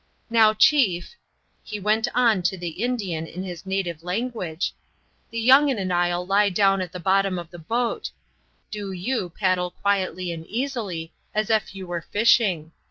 Now, chief," he went on to the Indian in his native language, "the young un and I'll lie down at the bottom of the boat; do you paddle quietly and easily, as ef you were fishing.